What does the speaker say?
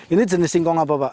ini jenis singkong apa pak